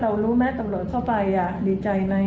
เรารู้แม่ตำรวจเข้าไปอะดีใจไหม